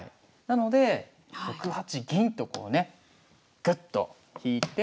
なので６八銀とこうねぐっと引いて。